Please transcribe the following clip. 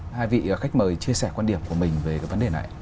hai vị khách mời chia sẻ quan điểm của mình về cái vấn đề này